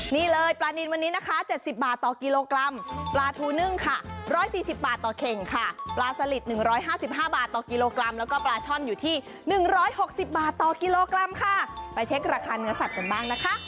นี่เลยปลานินวันนี้นะคะ๗๐บาทต่อกิโลกรัมปลาทูนึ่งค่ะ๑๔๐บาทต่อเข่งค่ะปลาสลิด๑๕๕บาทต่อกิโลกรัมแล้วก็ปลาช่อนอยู่ที่๑๖๐บาทต่อกิโลกรัมค่ะไปเช็คราคาเนื้อสัตว์กันบ้างนะคะ